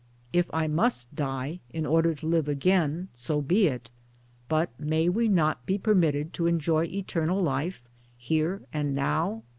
If I must die in order to live again, so be it, but may we not be permitted to enjoy eternal life here and now?